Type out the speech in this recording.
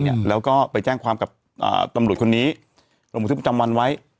เนี้ยแล้วก็ไปแจ้งความกับอ่าตำรวจคนนี้เราหมดที่มันจำวันไว้